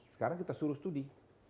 sekarang kita suruh studi